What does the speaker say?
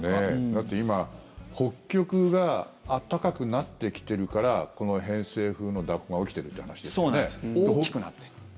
だって今、北極が暖かくなってきているからこの偏西風の蛇行が起きているという話でしたよね。